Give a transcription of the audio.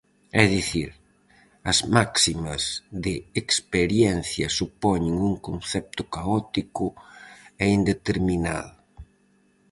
É dicir, as máximas de experiencia supoñen un concepto caótico e indeterminado.